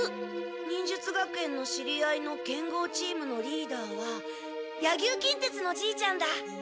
忍術学園の知り合いの剣豪チームのリーダーは野牛金鉄のじいちゃんだ。